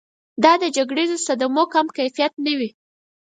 دا د جګړیزو صدمو کم کیفیت نه وي.